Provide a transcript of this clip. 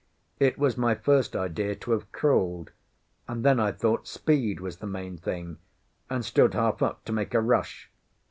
It was my first idea to have crawled, and then I thought speed was the main thing, and stood half up to make a rush.